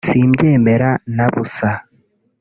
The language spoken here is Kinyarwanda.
simbyemera na busa